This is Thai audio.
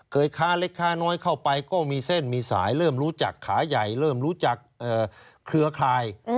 ค้าเล็กค้าน้อยเข้าไปก็มีเส้นมีสายเริ่มรู้จักขาใหญ่เริ่มรู้จักเครือคลาย